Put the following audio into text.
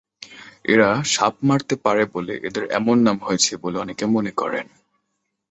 এরা সাপ মারতে পারে বলে এদের এমন নাম হয়েছে বলে অনেকে মনে করেন।